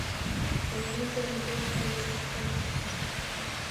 — Йылмет дене пеш кает, ыштен ончо!